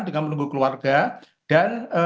dengan menunggu keluarga dan